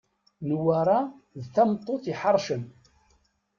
Newwara d tameṭṭut iḥercen.